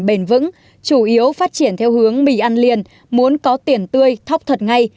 bền vững chủ yếu phát triển theo hướng mì ăn liền muốn có tiền tươi thóc thật ngay